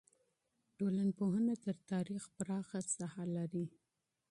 ټولنپوهنه تر تاریخ پراخه ساحه لري.